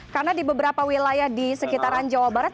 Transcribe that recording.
karena di beberapa wilayah di sekitaran jawa barat